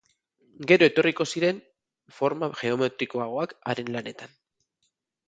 Gero etorriko ziren forma geometrikoagoak haren lanetan.